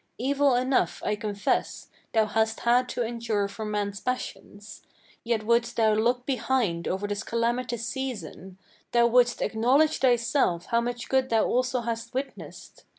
Evil enough, I confess, thou hast had to endure from man's passions, Yet wouldst thou look behind over this calamitous season, Thou wouldst acknowledge thyself how much good thou also hast witnessed.